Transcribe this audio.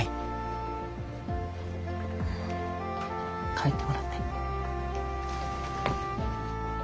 帰ってもらって。